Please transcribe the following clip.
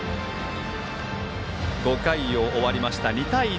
５回を終わりまして２対１。